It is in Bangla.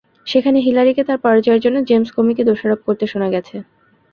সেখানে হিলারিকে তাঁর পরাজয়ের জন্য জেমস কোমিকে দোষারোপ করতে শোনা গেছে।